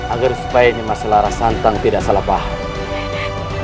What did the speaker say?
agar supaya nimas larasantang tidak salah paham